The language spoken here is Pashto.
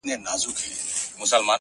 پوه انسان د اورېدو هنر زده وي!